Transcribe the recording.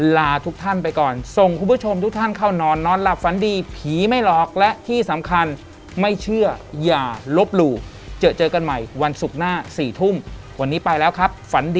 อีกตนหนึ่งชื่อฮีมครับ